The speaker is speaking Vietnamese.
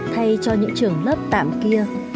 thay cho những trường lớp tạm kia